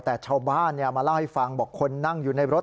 แต่ชาวบ้านมาเล่าให้ฟังบอกคนนั่งอยู่ในรถ